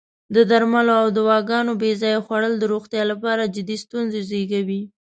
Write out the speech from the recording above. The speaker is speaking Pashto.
د درملو او دواګانو بې ځایه خوړل د روغتیا لپاره جدی ستونزې زېږوی.